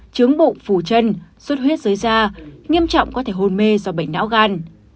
chướng bụng phủ chân suốt huyết dưới da nghiêm trọng có thể hôn mê do bệnh não gan